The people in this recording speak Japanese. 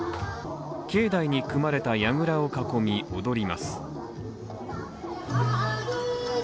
境内に組まれたやぐらを囲み踊ります。